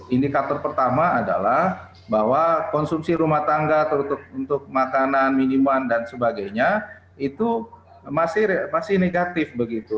indikator pertama adalah bahwa konsumsi rumah tangga untuk makanan minuman dan sebagainya itu masih negatif begitu